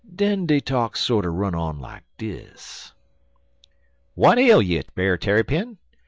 "Den de talk sorter run on like dis: "'W'at ail you, Brer Tarrypin?